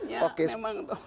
ya itu soalnya